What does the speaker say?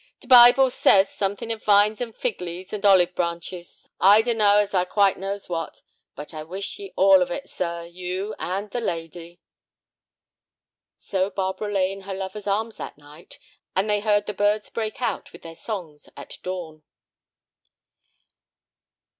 T' Bible says something of vines and fig leaves and olive branches—I dunno as I quite knows what; but I wish ye all of ut, sir, you—and the lady." So Barbara lay in her lover's arms that night, and they heard the birds break out with their songs at dawn.